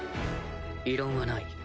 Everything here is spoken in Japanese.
異論はない。